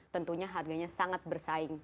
tentunya harganya sangat bersaing